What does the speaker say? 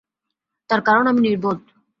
তার কারণ আমি নির্বোধ।